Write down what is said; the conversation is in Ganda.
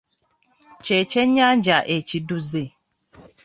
Kye kyennyanja ekiduze.